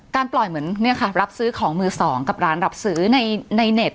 ปล่อยเหมือนรับซื้อของมือสองกับร้านรับซื้อในเน็ต